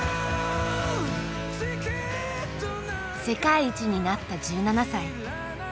世界一になった１７歳。